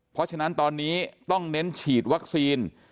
เพราะฉะนั้นตอนนี้ต้องเน้นฉีดวัคซีน